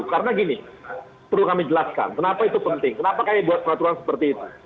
karena gini perlu kami jelaskan kenapa itu penting kenapa kayak buat peraturan seperti itu